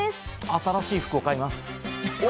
新しい服を買います。